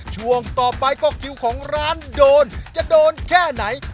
ช่วงต่อไปก็คิวของร้านโดนจะโดนแค่ไหน